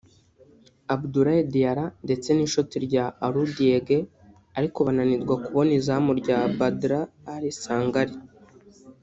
Abdoulaye Diarra ndetse n’ishoti rya Alou Dieng ariko bananirwa kubona izamu rya Badla Ali Sangale